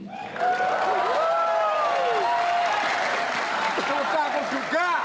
ketua umum partai solidaritas indonesia